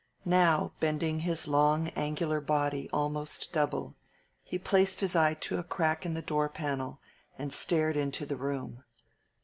Now, bending his long, angular body almost double, he placed his eye to a crack in the door panel and stared into the room.